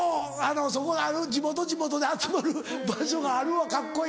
そこの地元地元で集まる場所があるわカッコいい。